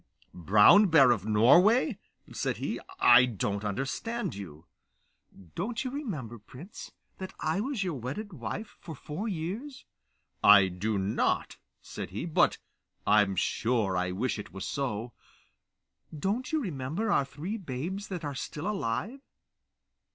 'Brown Bear of Norway!' said he. 'I don't understand you.' 'Don't you remember, prince, that I was your wedded wife for four years?' 'I do not,' said he, 'but I'm sure I wish it was so.' 'Don't you remember our three babes that are still alive?